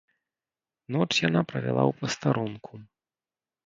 Ноч яна правяла ў пастарунку.